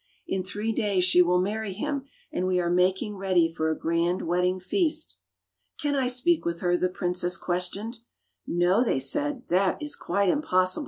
"In three days she will marry him, and we are making ready for a grand wedding feast." "Can I speak with her.?^" the princess questioned. "No," they said, "that is quite impossible.